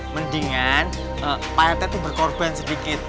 mendingan pak rt tuh berkorban sedikit